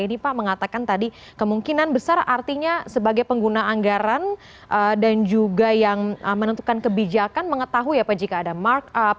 ini pak mengatakan tadi kemungkinan besar artinya sebagai pengguna anggaran dan juga yang menentukan kebijakan mengetahui ya pak jika ada markup